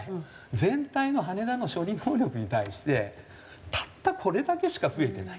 全体の羽田の処理能力に対してたったこれだけしか増えてない。